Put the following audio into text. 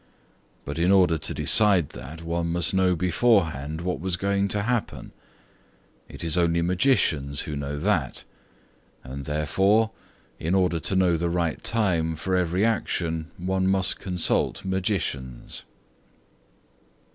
But in order to decide that, one must know beforehand what was going to happen. It is only magicians who know that; and, therefore, in order to know the right time for every action, one must consult magicians.